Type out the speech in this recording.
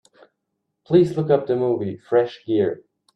Please look up the movie, Fresh Gear.